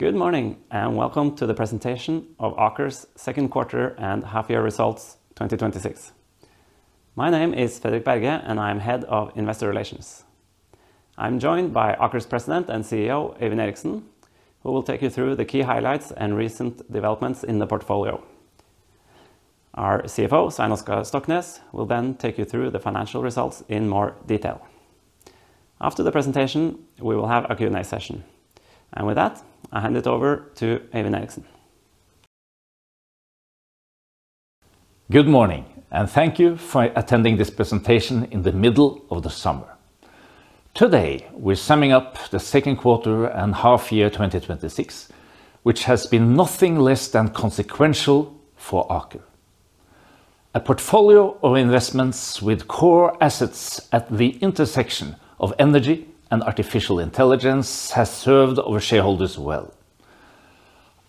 Good morning, and welcome to the presentation of Aker's Q2 and Half Year Results 2026. My name is Fredrik Berge, and I am Head of Investor Relations. I'm joined by Aker's President and CEO, Øyvind Eriksen, who will take you through the key highlights and recent developments in the portfolio. Our CFO, Svein Oskar Stoknes, will then take you through the financial results in more detail. After the presentation, we will have a Q&A session. With that, I hand it over to Øyvind Eriksen. Good morning, and thank you for attending this presentation in the middle of the summer. Today, we're summing up the Q2 and half year 2026, which has been nothing less than consequential for Aker. A portfolio of investments with core assets at the intersection of energy and artificial intelligence has served our shareholders well.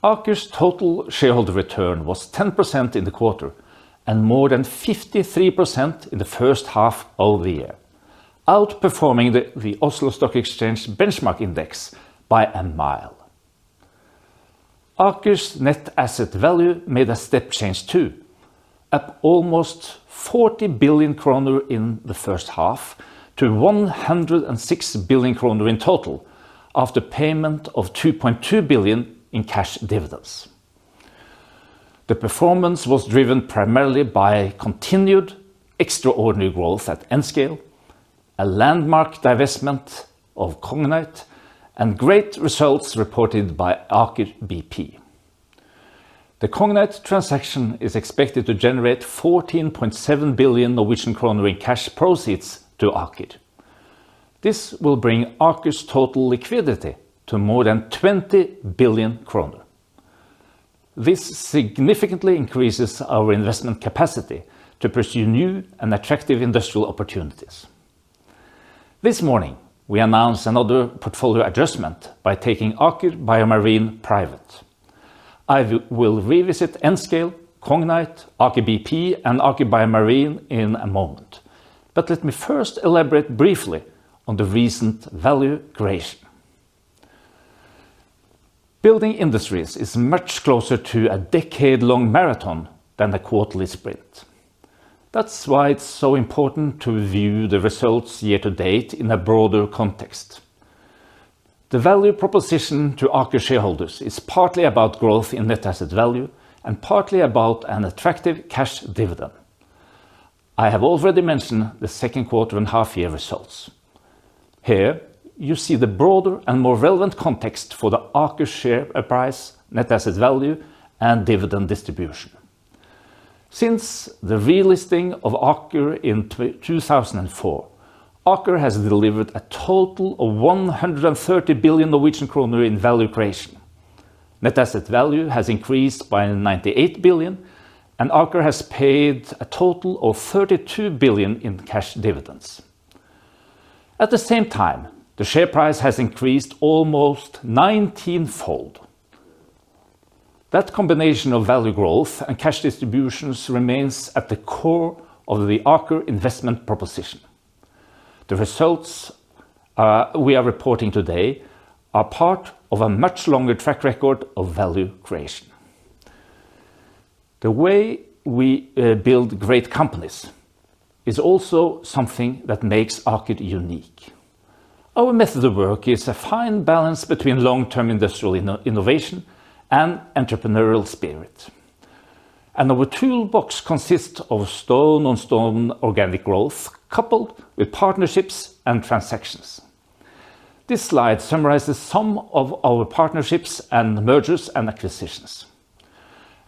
Aker's total shareholder return was 10% in the quarter, and more than 53% in the first half of the year, outperforming the Oslo Stock Exchange benchmark index by a mile. Aker's net asset value made a step change too, at almost 40 billion kroner in the first half to 106 billion kroner in total, after payment of 2.2 billion in cash dividends. The performance was driven primarily by continued extraordinary growth at Nscale, a landmark divestment of Cognite, and great results reported by Aker BP. The Cognite transaction is expected to generate 14.7 billion Norwegian kroner in cash proceeds to Aker. This will bring Aker's total liquidity to more than 20 billion kroner. This significantly increases our investment capacity to pursue new and attractive industrial opportunities. This morning, we announced another portfolio adjustment by taking Aker BioMarine private. I will revisit Nscale, Cognite, Aker BP, and Aker BioMarine in a moment, let me first elaborate briefly on the recent value creation. Building industries is much closer to a decade-long marathon than a quarterly sprint. That's why it's so important to view the results year to date in a broader context. The value proposition to Aker shareholders is partly about growth in net asset value and partly about an attractive cash dividend. I have already mentioned the Q2 and half year results. Here, you see the broader and more relevant context for the Aker share price, net asset value, and dividend distribution. Since the re-listing of Aker in 2004, Aker has delivered a total of 130 billion Norwegian kroner in value creation. Net asset value has increased by 98 billion, and Aker has paid a total of 32 billion in cash dividends. At the same time, the share price has increased almost nineteenfold. That combination of value growth and cash distributions remains at the core of the Aker investment proposition. The results we are reporting today are part of a much longer track record of value creation. The way we build great companies is also something that makes Aker unique. Our method of work is a fine balance between long-term industrial innovation and entrepreneurial spirit. Our toolbox consists of stone-on-stone organic growth coupled with partnerships and transactions. This slide summarizes some of our partnerships and mergers and acquisitions.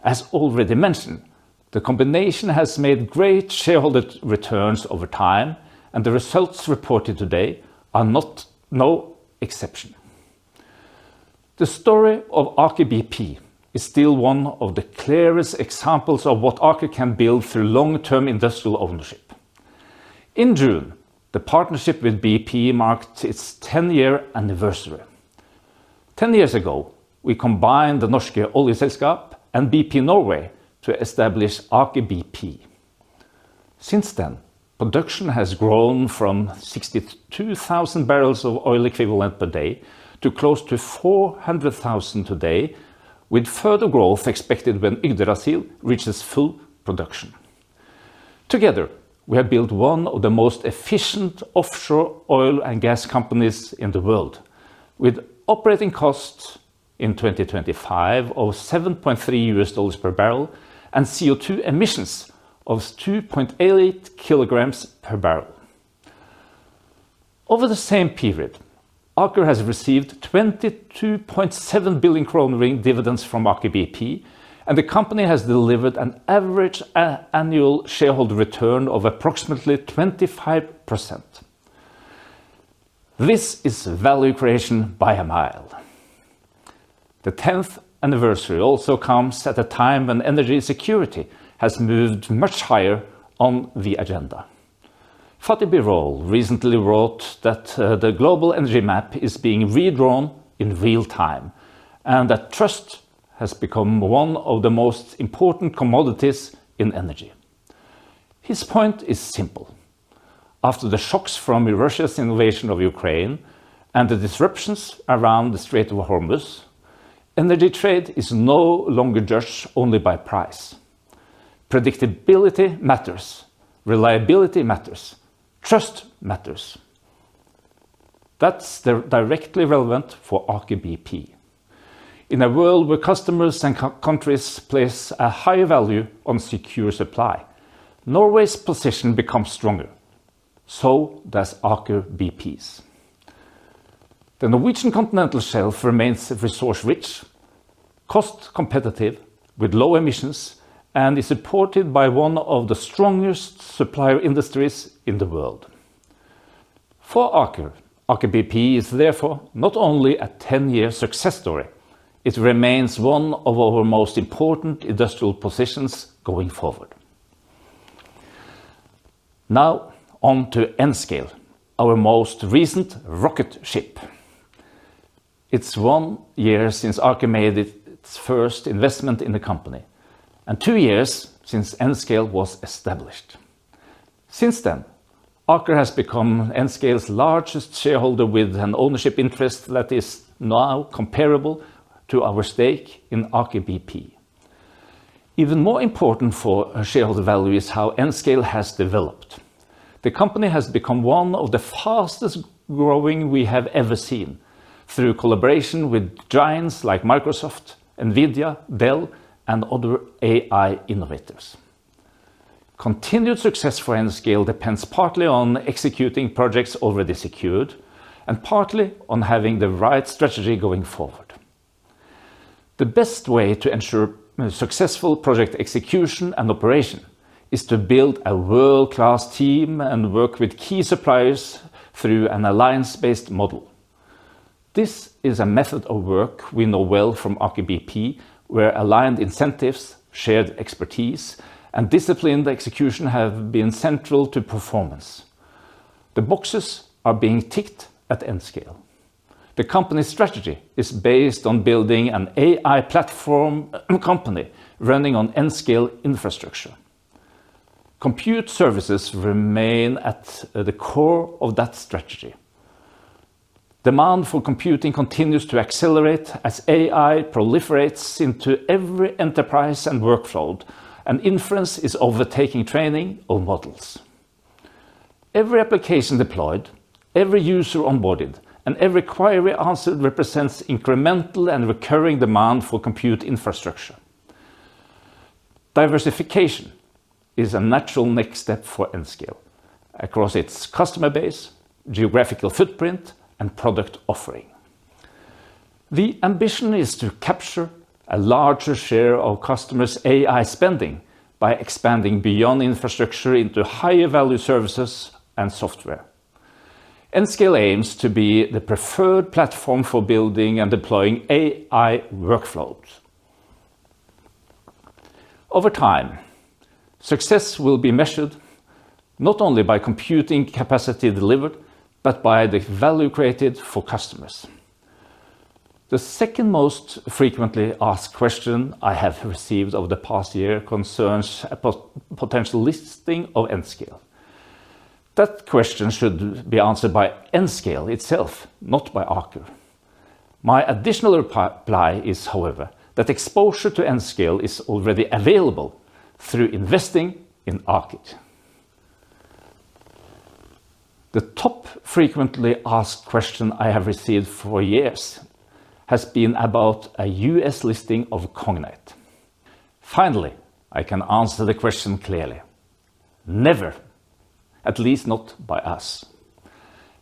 As already mentioned, the combination has made great shareholder returns over time, and the results reported today are no exception. The story of Aker BP is still one of the clearest examples of what Aker can build through long-term industrial ownership. In June, the partnership with BP marked its 10th year anniversary. 10 years ago, we combined Det norske oljeselskap and BP Norge to establish Aker BP. Since then, production has grown from 62,000 bbl of oil equivalent per day to close to 400,000 bbl today, with further growth expected when Yggdrasil reaches full production. Together, we have built one of the most efficient offshore oil and gas companies in the world, with operating costs in 2025 of $7.3 per barrel and CO2 emissions of 2.8 kg per barrel. Over the same period, Aker has received 22.7 billion kroner in dividends from Aker BP, and the company has delivered an average annual shareholder return of approximately 25%. This is value creation by a mile. The 10th anniversary also comes at a time when energy security has moved much higher on the agenda. Fatih Birol recently wrote that the global energy map is being redrawn in real time and that trust has become one of the most important commodities in energy. His point is simple. After the shocks from Russia's invasion of Ukraine and the disruptions around the Strait of Hormuz, energy trade is no longer judged only by price. Predictability matters. Reliability matters. Trust matters. That's directly relevant for Aker BP. In a world where customers and countries place a higher value on secure supply, Norway's position becomes stronger. Does Aker BP's. The Norwegian continental shelf remains resource-rich, cost-competitive, with low emissions, and is supported by one of the strongest supplier industries in the world. For Aker BP is therefore not only a 10-year success story, it remains one of our most important industrial positions going forward. On to Nscale, our most recent rocket ship. It's one year since Aker made its first investment in the company, and two years since Nscale was established. Since then, Aker has become Nscale's largest shareholder with an ownership interest that is now comparable to our stake in Aker BP. Even more important for shareholder value is how Nscale has developed. The company has become one of the fastest-growing we have ever seen, through collaboration with giants like Microsoft, NVIDIA, Dell, and other AI innovators. Continued success for Nscale depends partly on executing projects already secured and partly on having the right strategy going forward. The best way to ensure successful project execution and operation is to build a world-class team and work with key suppliers through an alliance-based model. This is a method of work we know well from Aker BP, where aligned incentives, shared expertise, and disciplined execution have been central to performance. The boxes are being ticked at Nscale. The company strategy is based on building an AI platform company running on Nscale infrastructure. Compute services remain at the core of that strategy. Demand for computing continues to accelerate as AI proliferates into every enterprise and workflow, and inference is overtaking training on models. Every application deployed, every user onboarded, and every query answered represents incremental and recurring demand for compute infrastructure. Diversification is a natural next step for Nscale across its customer base, geographical footprint, and product offering. The ambition is to capture a larger share of customers' AI spending by expanding beyond infrastructure into higher value services and software. Nscale aims to be the preferred platform for building and deploying AI workflows. Over time, success will be measured not only by computing capacity delivered, but by the value created for customers. The second most frequently asked question I have received over the past year concerns a potential listing of Nscale. That question should be answered by Nscale itself, not by Aker. My additional reply is, however, that exposure to Nscale is already available through investing in Aker. The top frequently asked question I have received for years has been about a U.S. listing of Cognite. Finally, I can answer the question clearly. Never. At least not by us.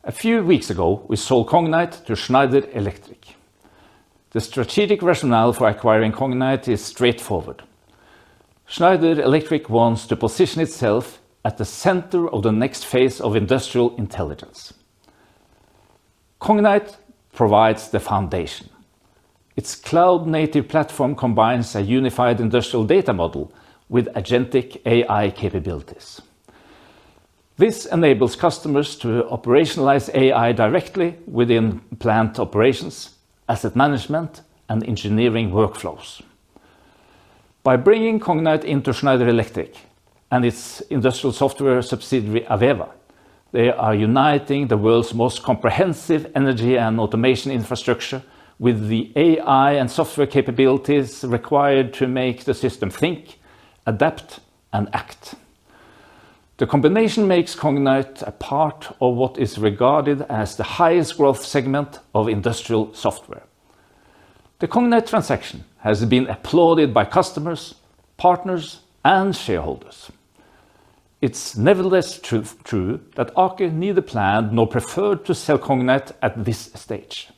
A few weeks ago, we sold Cognite to Schneider Electric. The strategic rationale for acquiring Cognite is straightforward. Schneider Electric wants to position itself at the center of the next phase of industrial intelligence. Cognite provides the foundation. Its cloud-native platform combines a unified industrial data model with agentic AI capabilities. This enables customers to operationalize AI directly within plant operations, asset management, and engineering workflows. By bringing Cognite into Schneider Electric and its industrial software subsidiary AVEVA, they are uniting the world's most comprehensive energy and automation infrastructure with the AI and software capabilities required to make the system think, adapt, and act. The combination makes Cognite a part of what is regarded as the highest growth segment of industrial software. The Cognite transaction has been applauded by customers, partners, and shareholders. It's nevertheless true that Aker neither planned nor preferred to sell Cognite at this stage.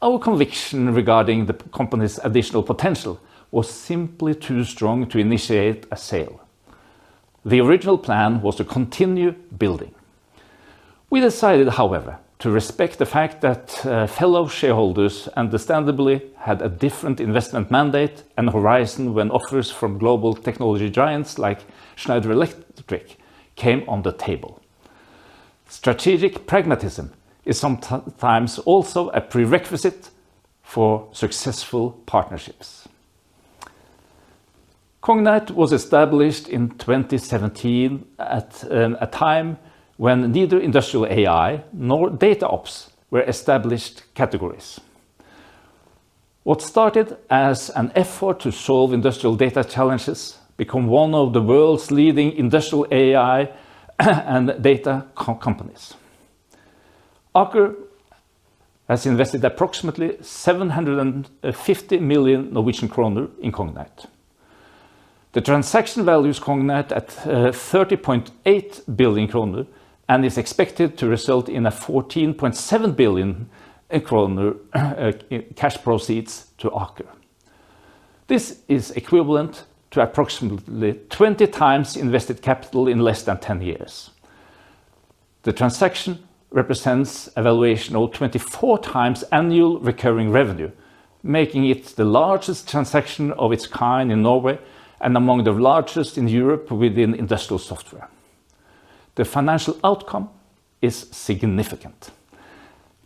Our conviction regarding the company's additional potential was simply too strong to initiate a sale. The original plan was to continue building. We decided, however, to respect the fact that fellow shareholders understandably had a different investment mandate and horizon when offers from global technology giants like Schneider Electric came on the table. Strategic pragmatism is sometimes also a prerequisite for successful partnerships. Cognite was established in 2017 at a time when neither industrial AI nor DataOps were established categories. What started as an effort to solve industrial data challenges became one of the world's leading industrial AI and data companies. Aker has invested approximately 750 million Norwegian kroner in Cognite. The transaction values Cognite at 30.8 billion kroner and is expected to result in a 14.7 billion kroner cash proceeds to Aker. This is equivalent to approximately 20x invested capital in less than 10 years. The transaction represents a valuation of 24 times annual recurring revenue, making it the largest transaction of its kind in Norway and among the largest in Europe within industrial software. The financial outcome is significant.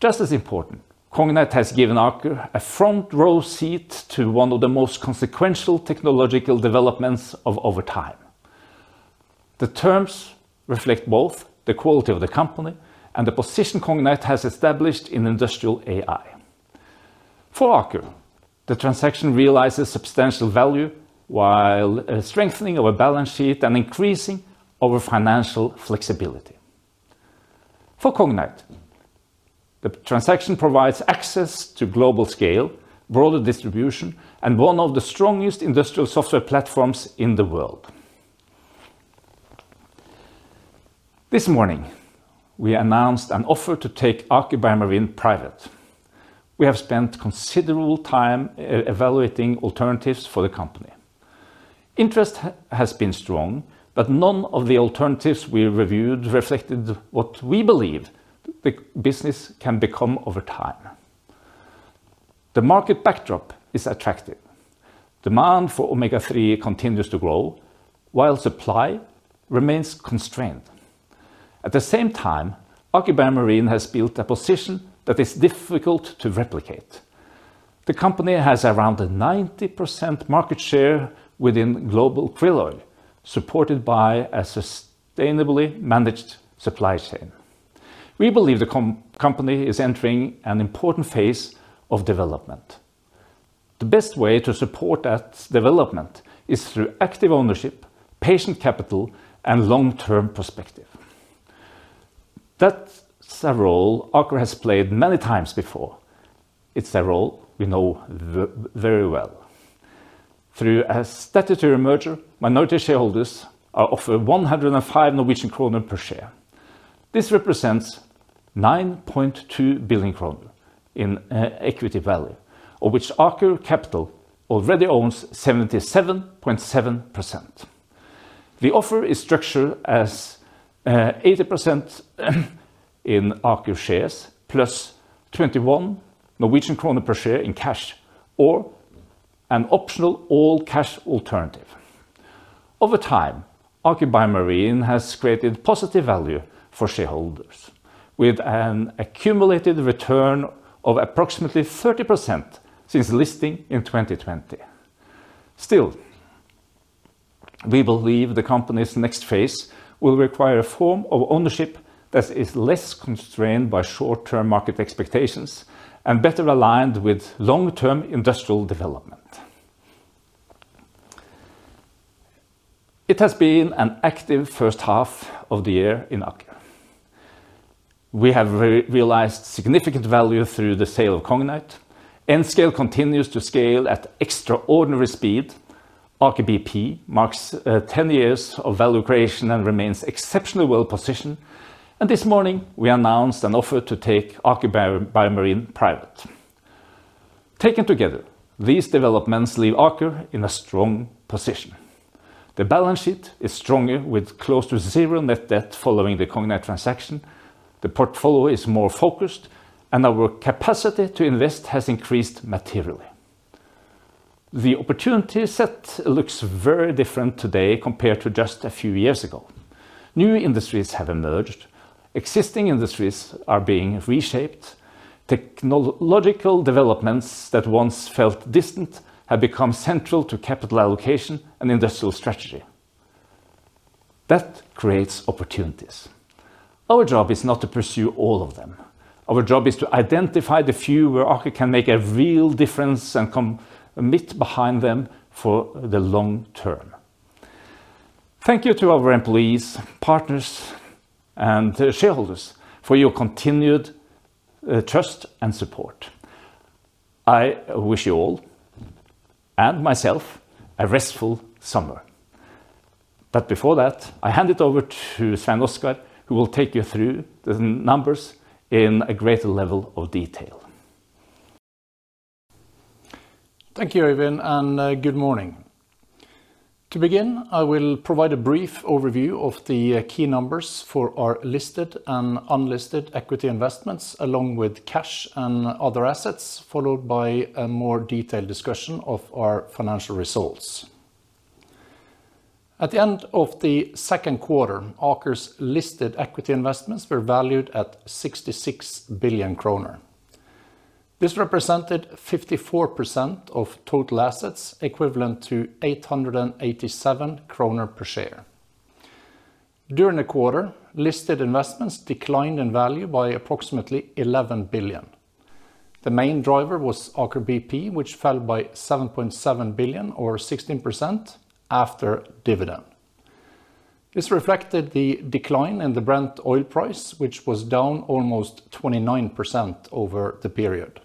Just as important, Cognite has given Aker a front-row seat to one of the most consequential technological developments of our time. The terms reflect both the quality of the company and the position Cognite has established in industrial AI. For Aker, the transaction realizes substantial value while strengthening our balance sheet and increasing our financial flexibility. For Cognite, the transaction provides access to global scale, broader distribution, and one of the strongest industrial software platforms in the world. This morning, we announced an offer to take Aker BioMarine private. Interest has been strong, but none of the alternatives we reviewed reflected what we believe the business can become over time. The market backdrop is attractive. Demand for omega-3 continues to grow while supply remains constrained. At the same time, Aker BioMarine has built a position that is difficult to replicate. The company has around a 90% market share within global krill oil, supported by a sustainably managed supply chain. We believe the company is entering an important phase of development. The best way to support that development is through active ownership, patient capital, and long-term perspective. That's a role Aker has played many times before. It's a role we know very well. Through a statutory merger, minority shareholders are offered 105 Norwegian kroner per share. This represents 9.2 billion kroner in equity value, of which Aker Capital already owns 77.7%. The offer is structured as 80% in Aker shares plus 21 Norwegian kroner per share in cash or an optional all-cash alternative. Over time, Aker BioMarine has created positive value for shareholders, with an accumulated return of approximately 30% since listing in 2020. We believe the company's next phase will require a form of ownership that is less constrained by short-term market expectations and better aligned with long-term industrial development. It has been an active first half of the year in Aker. We have realized significant value through the sale of Cognite. Nscale continues to scale at extraordinary speed. Aker BP marks 10 years of value creation and remains exceptionally well-positioned, and this morning we announced an offer to take Aker BioMarine private. Taken together, these developments leave Aker in a strong position. The balance sheet is stronger with close to zero net debt following the Cognite transaction, the portfolio is more focused, and our capacity to invest has increased materially. The opportunity set looks very different today compared to just a few years ago. New industries have emerged. Existing industries are being reshaped. Technological developments that once felt distant have become central to capital allocation and industrial strategy. That creates opportunities. Our job is not to pursue all of them. Our job is to identify the few where Aker can make a real difference and commit behind them for the long term. Thank you to our employees, partners, and shareholders for your continued trust and support. I wish you all and myself a restful summer. Before that, I hand it over to Svein Oskar, who will take you through the numbers in a greater level of detail. Thank you, Øyvind, and good morning. To begin, I will provide a brief overview of the key numbers for our listed and unlisted equity investments, along with cash and other assets, followed by a more detailed discussion of our financial results. At the end of the Q2, Aker's listed equity investments were valued at 66 billion kroner. This represented 54% of total assets, equivalent to 887 kroner per share. During the quarter, listed investments declined in value by approximately 11 billion. The main driver was Aker BP, which fell by 7.7 billion, or 16%, after dividend. This reflected the decline in the Brent oil price, which was down almost 29% over the period.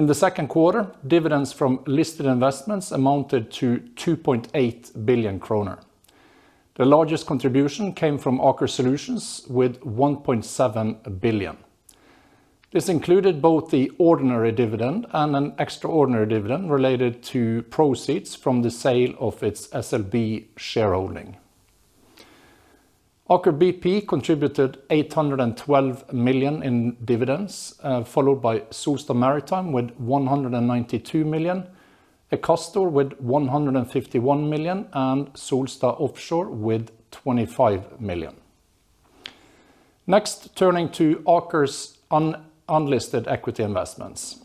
In the Q2, dividends from listed investments amounted to 2.8 billion kroner. The largest contribution came from Aker Solutions with 1.7 billion. This included both the ordinary dividend and an extraordinary dividend related to proceeds from the sale of its SLB shareholding. Aker BP contributed 812 million in dividends, followed by Solstad Maritime with 192 million, Akastor with 151 million, and Solstad Offshore with 25 million. Next, turning to Aker's unlisted equity investments.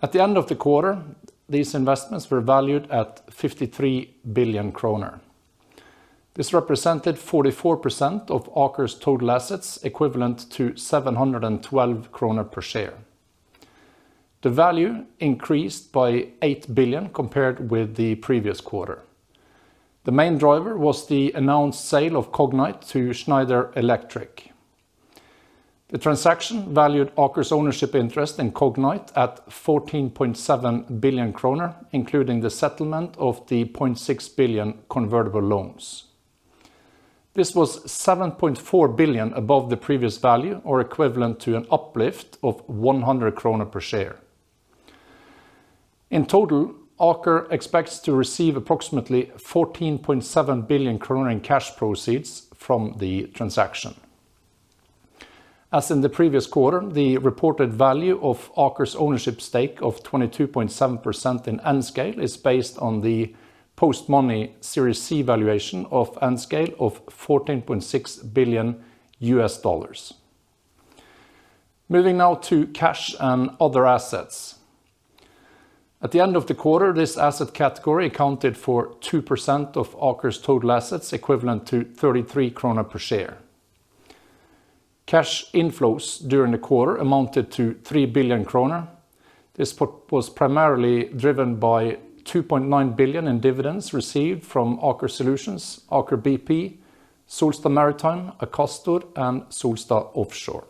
At the end of the quarter, these investments were valued at 53 billion kroner. This represented 44% of Aker's total assets, equivalent to 712 kroner per share. The value increased by 8 billion compared with the previous quarter. The main driver was the announced sale of Cognite to Schneider Electric. The transaction valued Aker's ownership interest in Cognite at 14.7 billion kroner, including the settlement of the 0.6 billion convertible loans. This was 7.4 billion above the previous value, or equivalent to an uplift of 100 kroner per share. In total, Aker expects to receive approximately 14.7 billion kroner in cash proceeds from the transaction. As in the previous quarter, the reported value of Aker's ownership stake of 22.7% in Nscale is based on the post-money Series C valuation of Nscale of NOK 14.6 billion. Moving now to cash and other assets. At the end of the quarter, this asset category accounted for 2% of Aker's total assets, equivalent to 33 krone per share. Cash inflows during the quarter amounted to 3 billion krone. This was primarily driven by 2.9 billion in dividends received from Aker Solutions, Aker BP, Solstad Maritime, Akastor, and Solstad Offshore.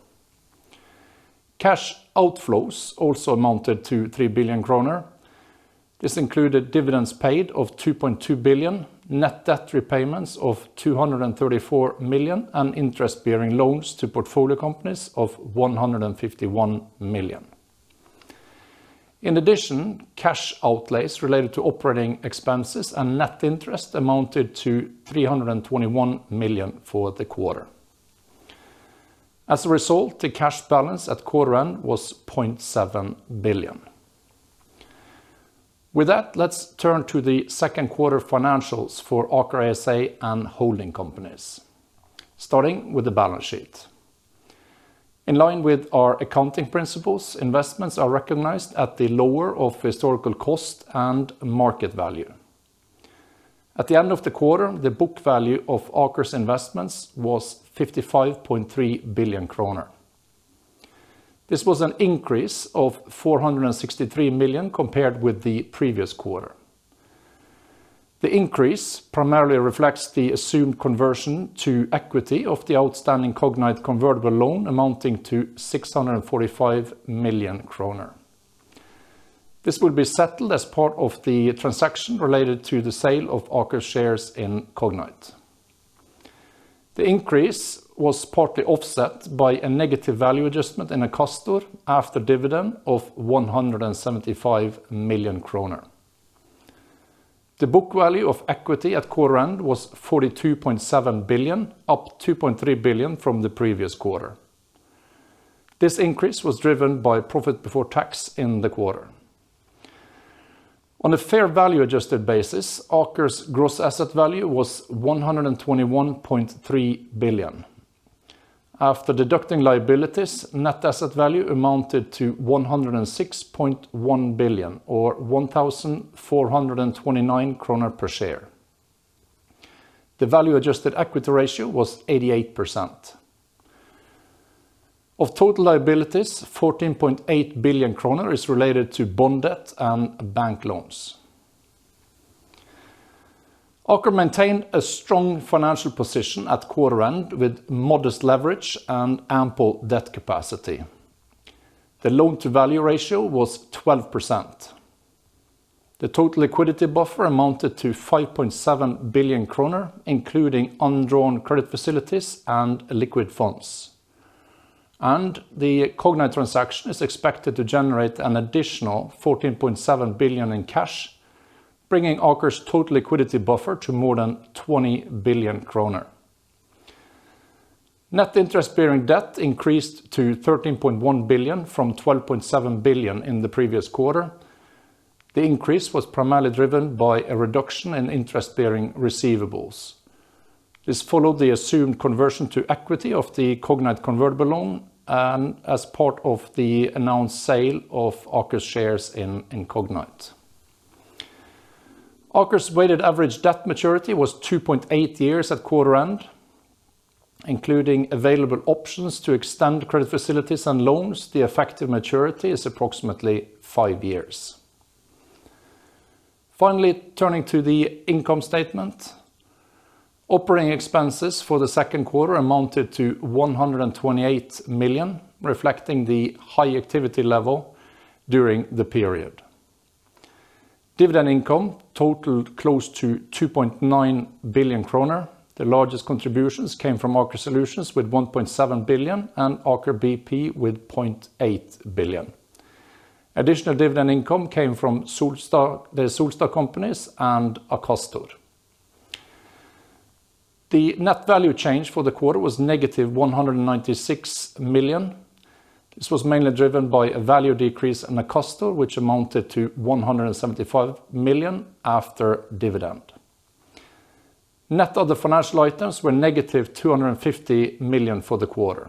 Cash outflows also amounted to 3 billion kroner. This included dividends paid of 2.2 billion, net debt repayments of 234 million, and interest-bearing loans to portfolio companies of 151 million. In addition, cash outlays related to operating expenses and net interest amounted to 321 million for the quarter. As a result, the cash balance at quarter end was 0.7 billion. With that, let's turn to the Q2 financials for Aker ASA and holding companies. Starting with the balance sheet. In line with our accounting principles, investments are recognized at the lower of historical cost and market value. At the end of the quarter, the book value of Aker's investments was 55.3 billion kroner. This was an increase of 463 million compared with the previous quarter. The increase primarily reflects the assumed conversion to equity of the outstanding Cognite convertible loan amounting to 645 million kroner. This will be settled as part of the transaction related to the sale of Aker's shares in Cognite. The increase was partly offset by a negative value adjustment in Akastor after a dividend of 175 million kroner. The book value of equity at quarter end was 42.7 billion, up 2.3 billion from the previous quarter. This increase was driven by profit before tax in the quarter. On a fair value adjusted basis, Aker's gross asset value was 121.3 billion. After deducting liabilities, net asset value amounted to 106.1 billion or 1,429 kroner per share. The value adjusted equity ratio was 88%. Of total liabilities, 14.8 billion kroner is related to bond debt and bank loans. Aker maintained a strong financial position at quarter end with modest leverage and ample debt capacity. The loan-to-value ratio was 12%. The total liquidity buffer amounted to 5.7 billion kroner, including undrawn credit facilities and liquid funds. The Cognite transaction is expected to generate an additional 14.7 billion in cash, bringing Aker's total liquidity buffer to more than 20 billion kroner. Net interest-bearing debt increased to 13.1 billion from 12.7 billion in the previous quarter. The increase was primarily driven by a reduction in interest-bearing receivables. This followed the assumed conversion to equity of the Cognite convertible loan and as part of the announced sale of Aker's shares in Cognite. Aker's weighted average debt maturity was 2.8 years at quarter end, including available options to extend credit facilities and loans, the effective maturity is approximately five years. Turning to the income statement. Operating expenses for the Q2 amounted to 128 million, reflecting the high activity level during the period. Dividend income totaled close to 2.9 billion kroner. The largest contributions came from Aker Solutions with 1.7 billion and Aker BP with 0.8 billion. Additional dividend income came from the Solstad companies and Akastor. The net value change for the quarter was negative 196 million. This was mainly driven by a value decrease in Akastor, which amounted to 175 million after dividend. Net of the financial items were -250 million for the quarter.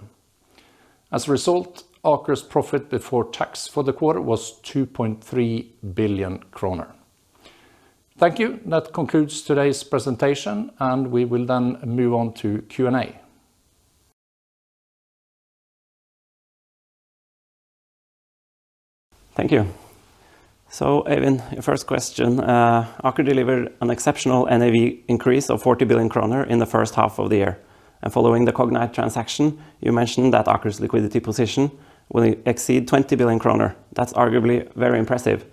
As a result, Aker's profit before tax for the quarter was 2.3 billion kroner. Thank you. That concludes today's presentation, and we will then move on to Q&A. Thank you. Øyvind, first question. Aker delivered an exceptional NAV increase of 40 billion kroner in the first half of the year. Following the Cognite transaction, you mentioned that Aker's liquidity position will exceed 20 billion kroner. That's arguably very impressive.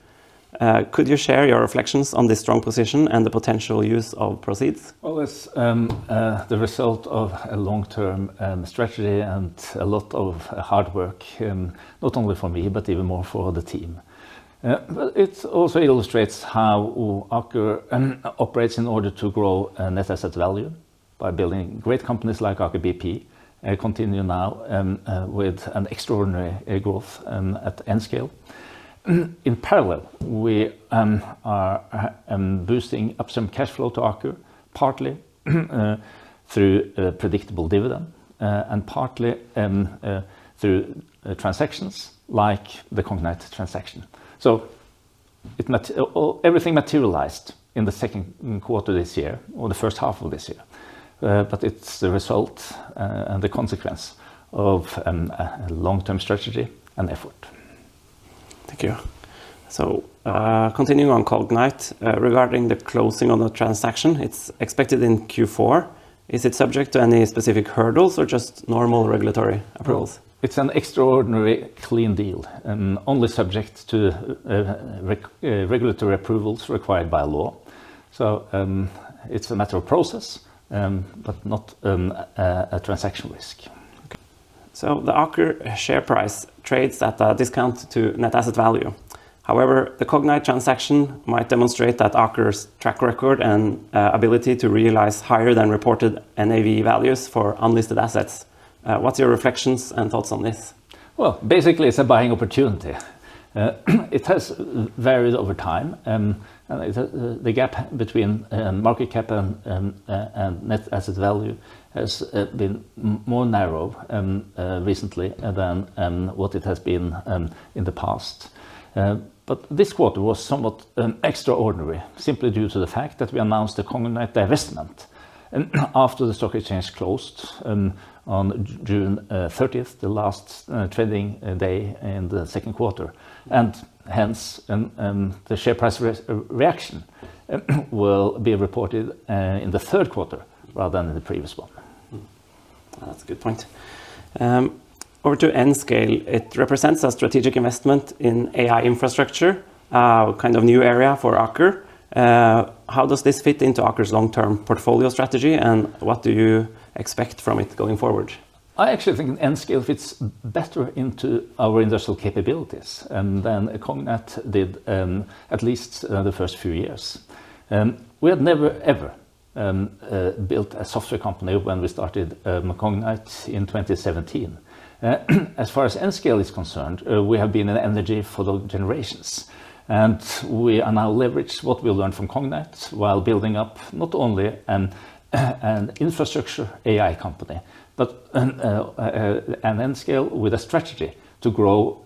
Could you share your reflections on this strong position and the potential use of proceeds? It's the result of a long-term strategy and a lot of hard work, not only for me, but even more for the team. It also illustrates how Aker operates in order to grow NAV by building great companies like Aker BP, continue now with an extraordinary growth at Nscale. In parallel, we are boosting upstream cash flow to Aker, partly through predictable dividend and partly through transactions like the Cognite transaction. Everything materialized in the Q2 this year or the first half of this year, but it's the result and the consequence of a long-term strategy and effort. Thank you. Continuing on Cognite regarding the closing on the transaction, it's expected in Q4. Is it subject to any specific hurdles or just normal regulatory approvals? It's an extraordinarily clean deal and only subject to regulatory approvals required by law. It's a matter of process, but not a transaction risk. The Aker share price trades at a discount to NAV. However, the Cognite transaction might demonstrate that Aker's track record and ability to realize higher than reported NAV values for unlisted assets. What's your reflections and thoughts on this? Basically, it's a buying opportunity. It has varied over time, and the gap between market cap and net asset value has been more narrow recently than what it has been in the past. This quarter was somewhat extraordinary, simply due to the fact that we announced the Cognite divestment after the stock exchange closed on June 30th, the last trading day in the Q2, hence the share price reaction will be reported in the Q3 rather than in the previous one. That's a good point. Over to Nscale. It represents a strategic investment in AI infrastructure, a kind of new area for Aker. How does this fit into Aker's long-term portfolio strategy, and what do you expect from it going forward? I actually think Nscale fits better into our industrial capabilities than Cognite did, at least the first few years. We had never, ever built a software company when we started Cognite in 2017. As far as Nscale is concerned, we have been in energy for generations, and we are now leverage what we learned from Cognite while building up not only an infrastructure AI company, but an Nscale with a strategy to grow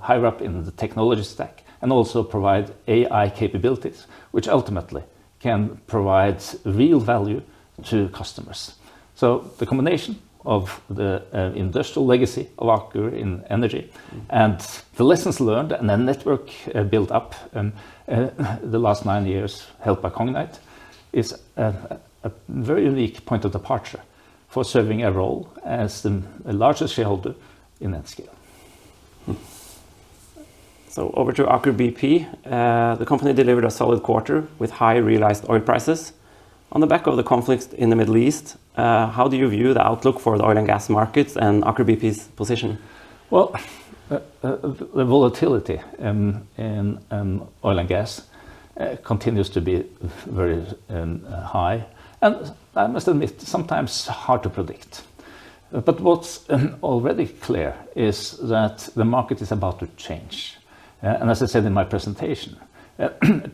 higher up in the technology stack and also provide AI capabilities which ultimately can provide real value to customers. The combination of the industrial legacy of Aker in energy and the lessons learned and the network built up the last nine years helped by Cognite is a very unique point of departure for serving a role as the largest shareholder in Nscale. Over to Aker BP. The company delivered a solid quarter with high realized oil prices. On the back of the conflicts in the Middle East, how do you view the outlook for the oil and gas markets and Aker BP's position? Well, the volatility in oil and gas continues to be very high, and I must admit, sometimes hard to predict. What's already clear is that the market is about to change. As I said in my presentation,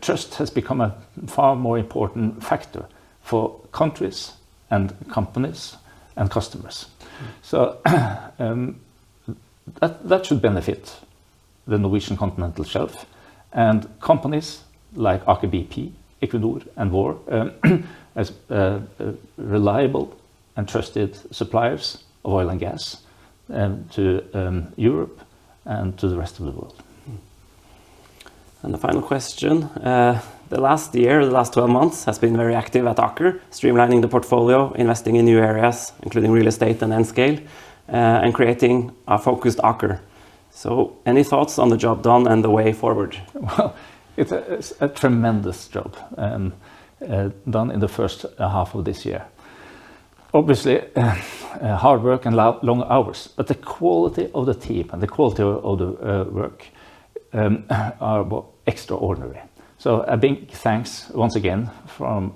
trust has become a far more important factor for countries and companies and customers. That should benefit the Norwegian continental shelf and companies like Aker BP, Equinor, and more as reliable and trusted suppliers of oil and gas to Europe and to the rest of the world. The final question. The last year, the last 12 months has been very active at Aker, streamlining the portfolio, investing in new areas, including real estate and Nscale, and creating a focused Aker. Any thoughts on the job done and the way forward? Well, it's a tremendous job done in the first half of this year. Obviously, hard work and long hours, but the quality of the team and the quality of the work are extraordinary. A big thanks once again from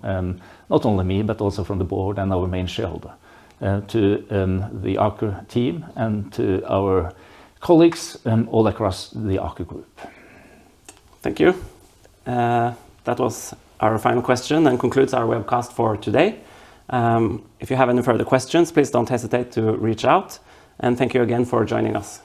not only me, but also from the board and our main shareholder to the Aker team and to our colleagues all across the Aker group. Thank you. That was our final question and concludes our webcast for today. If you have any further questions, please don't hesitate to reach out and thank you again for joining us.